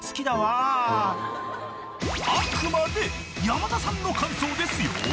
［あくまで山田さんの感想ですよ］